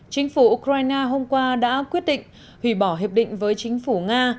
chính phủ ukraine hôm qua đã quyết định hủy bỏ hiệp định với chính phủ nga